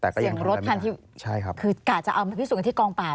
เสียงรถคันที่คือกะจะเอามาพิสูจนกันที่กองปราบ